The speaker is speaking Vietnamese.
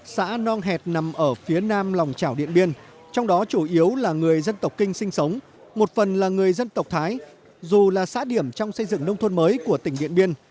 xã nong hẹt nằm ở phía nam lòng trảo điện biên trong đó chủ yếu là người dân tộc kinh sinh sống một phần là người dân tộc thái dù là xã điểm trong xây dựng nông thôn mới của tỉnh điện biên